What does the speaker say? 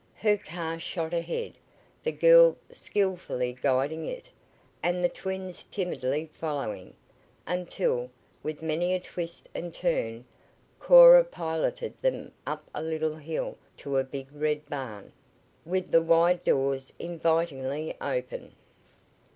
Her car shot ahead, the girl skillfully guiding it, and the twins timidly following, until, with many a twist and turn, Cora piloted them up a little hill to a big red barn, with the wide doors invitingly open.